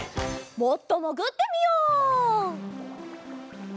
もっともぐってみよう！